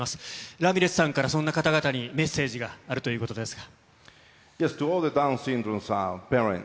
ラミレスさんからそんな方々にメッセージがあるということですが。